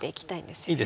いいですね。